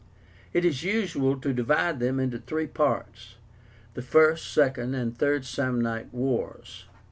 It is usual to divide them into three parts, the First, Second, and Third Samnite Wars.